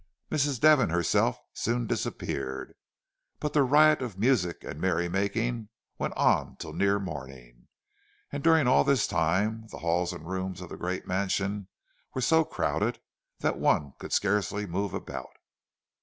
Mrs. Devon herself soon disappeared, but the riot of music and merry making went on until near morning, and during all this time the halls and rooms of the great mansion were so crowded that one could scarcely move about.